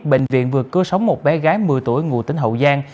bệnh viện vừa cưa sống một bé gái một mươi tuổi ngụ tính hậu gian